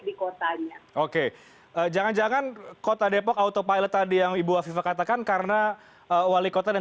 di kotanya oke jangan jangan kota depok autopilot tadi yang ibu afifa katakan karena wali kota dan